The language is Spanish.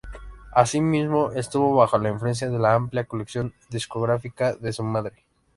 Asimismo, estuvo bajo la influencia de la amplia colección discográfica de su madre.